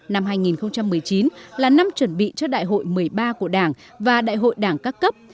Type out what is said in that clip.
năm hai nghìn một mươi chín là năm chuẩn bị cho đại hội một mươi ba của đảng và đại hội đảng các cấp